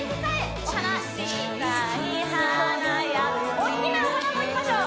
大っきなお花もいきましょう